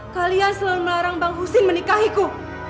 kalian selalu melarang bang husin menikahiku